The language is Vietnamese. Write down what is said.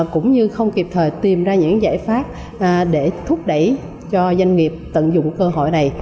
cũng như không kịp thời tìm ra những giải pháp để thúc đẩy cho doanh nghiệp tận dụng cơ hội này